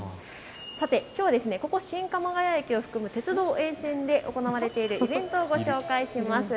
きょうは新鎌ヶ谷駅を含む鉄道沿線で行われているイベントをご紹介します。